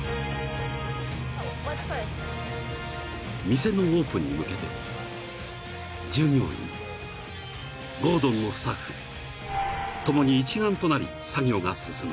［店のオープンに向けて従業員ゴードンのスタッフ共に一丸となり作業が進む］